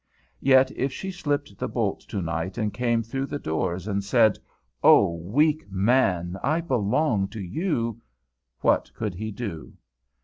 Yet if she slipped the bolt tonight and came through the doors and said, "Oh, weak man, I belong to you!" what could he do?